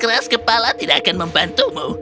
keras kepala tidak akan membantumu